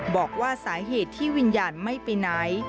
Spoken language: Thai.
บอกว่าสาเหตุที่วิญญาณไม่ไปไหน